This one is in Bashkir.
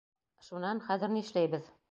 Шунан, хәҙер ни эшләйбеҙ?